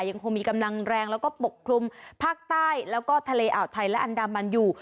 ยังคงมีกำลังแรงแล้วก็ปกคลุมภาคใต้แล้วก็ทะเลอ่าวไทยและอันดามันอยู่